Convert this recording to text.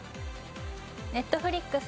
Ｎｅｔｆｌｉｘ。